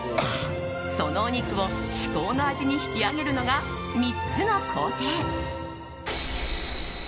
そのお肉を至高の味に引き上げるのが３つの工程。